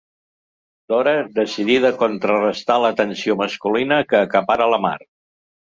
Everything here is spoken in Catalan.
Dora, decidida a contrarestar l'atenció masculina que acapara la Mar—.